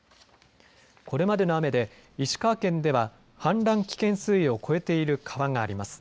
これまでの雨で石川県では氾濫危険水位を超えている川があります。